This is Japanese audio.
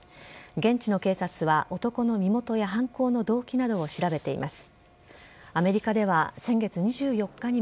現地の警察は男の身元や犯行の動機などを調べています。